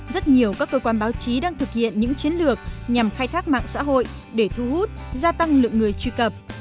rất nhiều các cơ quan báo chí đang thực hiện những chiến lược nhằm khai thác mạng xã hội để thu hút gia tăng lượng người truy cập